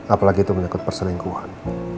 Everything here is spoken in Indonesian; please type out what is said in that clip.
apalagi itu menikut perselingkuhan